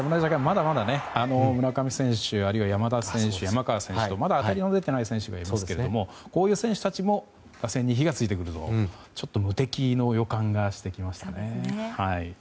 まだまだ、村上選手あるいは山田選手、山川選手とまだ当たりの出ていない選手がいますがこういう選手たちも打線に火が付いてくるとちょっと無敵の予感がしてきますね。